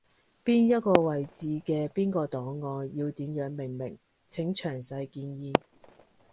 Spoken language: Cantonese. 邊一個位置嘅邊個檔案要點樣命名，請詳細建議